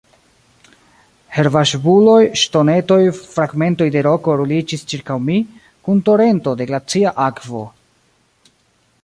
Herbaĵbuloj, ŝtonetoj, fragmentoj de roko ruliĝis ĉirkaŭ mi kun torento de glacia akvo.